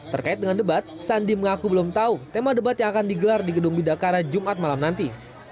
terkait dengan debat sandi mengaku belum tahu tema debat yang akan digelar di gedung bidakara jumat malam nanti